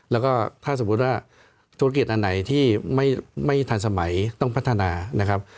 แล้วก็ถ้าสมมุติว่าธุรกิจอันไหนที่ไม่ทันสมัยต้องพัฒนานะครับ